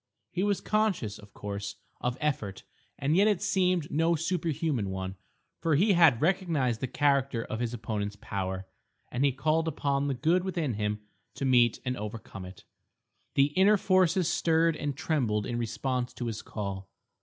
He was conscious, of course, of effort, and yet it seemed no superhuman one, for he had recognised the character of his opponent's power, and he called upon the good within him to meet and overcome it. The inner forces stirred and trembled in response to his call.